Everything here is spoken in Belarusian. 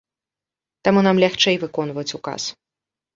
Таму нам лягчэй выконваць указ.